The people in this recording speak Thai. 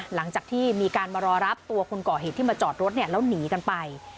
หลังจากที่มีการมารอรับตัวคนก่อเหตุที่มาจอดรถแล้วหนีกันไป